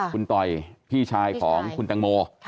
คุณต่อยพี่ชายของคุณตังโม